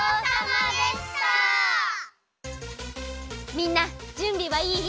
みんなじゅんびはいい？